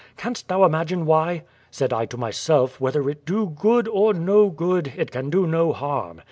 Canst thou imagine why? Said I to myself, M'hether it do good, or no good, it can do no harm.